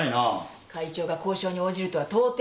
会長が交渉に応じるとは到底思えない。